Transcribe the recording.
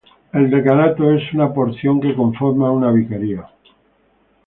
El decanato es una porción que conforma una vicaría.